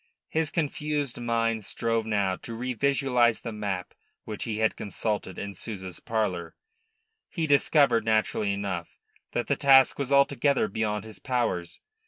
His confused mind strove now to revisualise the map which he had consulted in Souza's parlour. He discovered, naturally enough, that the task was altogether beyond his powers.